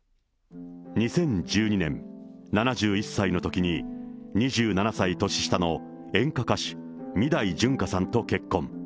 ２０１２年、７１歳のときに２７歳年下の演歌歌手、三代純歌さんと結婚。